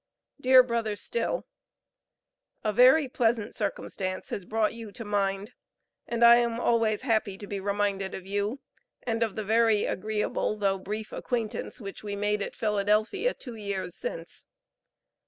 DEAR BRO. STILL: A very pleasant circumstance has brought you to mind, and I am always happy to be reminded of you, and of the very agreeable, though brief acquaintance which we made at Philadelphia two years since.